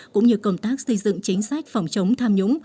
cũng như công tác xây dựng chính sách phòng chống tham nhũng